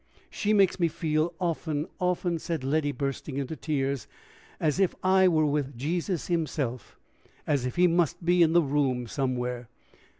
"She makes me feel, often, often," said Letty, bursting into tears, "as if I were with Jesus himself as if he must be in the room somewhere."